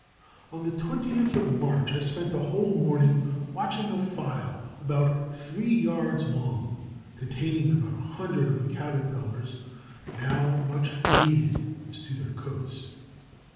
On the twentieth of March I spent a whole morning watching a file about three yards long, containing about a hundred of the Caterpillars, now much faded as to their coats.